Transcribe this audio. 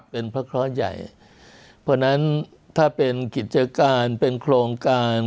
เป็นพระเคราะห์ใหญ่เพราะฉะนั้นถ้าเป็นกิจการเป็นโครงการ